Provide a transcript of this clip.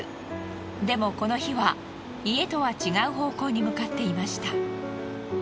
でもこの日は家とは違う方向に向かっていました。